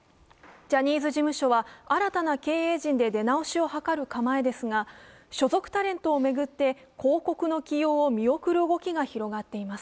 ジャニーズ事務所は新たな経営陣で出直しを図る構えですが、所属タレントを巡って、広告の起用を見送る動きが出ています。